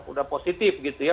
udah positif gitu ya